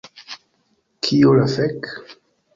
Kio la fek?